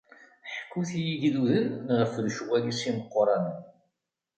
Ḥkut i yigduden ɣef lecɣal-is imeqqranen!